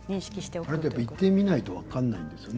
あれって行ってみないと分からないですね。